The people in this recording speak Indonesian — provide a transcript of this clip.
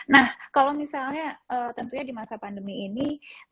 nah kalau misalnya tentunya di masa pandemi ini